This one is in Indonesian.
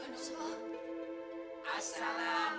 kalau begitu habiskan laughing